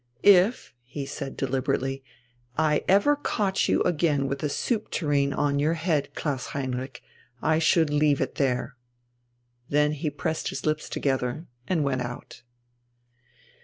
"If," he said deliberately, "I ever caught you again with a soup tureen on your head, Klaus Heinrich, I should leave it there." Then he pressed his lips together and went out.